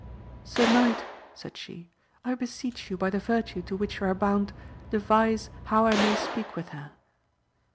Sir Knight, said she, I beseech you by the virtue to which you are bound, devise how I may speak with her.